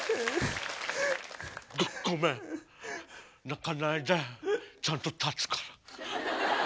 泣かないでちゃんと立つから。